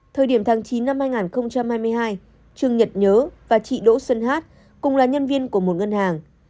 thời điểm tháng chín năm hai nghìn hai mươi hai trương nhật nhớ và chị đỗ xuân hát cùng là nhân viên của một ngân hàng